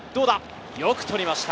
よく捕りました。